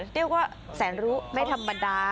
เรียกว่าแสนรู้ไม่ธรรมดา